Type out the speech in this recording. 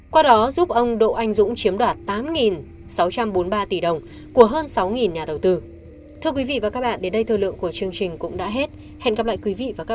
qua đó giúp ông đỗ anh dũng chiếm đoạt tám sáu trăm bốn mươi ba tỷ đồng của hơn sáu nhà đầu tư